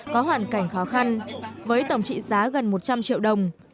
có hoàn cảnh khó khăn với tổng trị giá gần một trăm linh triệu đồng